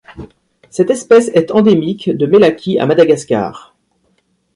Cette espèce est endémique du Melaky à Madagascar.